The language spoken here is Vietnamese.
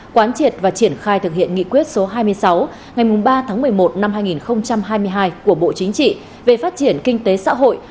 quán triệt và triển khai thực hiện nghị quyết số hai mươi sáu ngày ba tháng một mươi một năm hai nghìn hai mươi hai của bộ chính trị về phát triển kinh tế xã hội